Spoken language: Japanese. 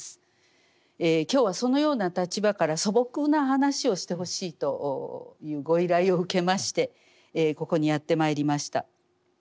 今日はそのような立場から素朴な話をしてほしいというご依頼を受けましてここにやってまいりました。